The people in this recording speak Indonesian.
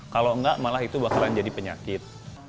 kalau enggak malah itu bakalan jadi penyakit